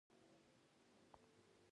عبدالهادي کور ته تللى و.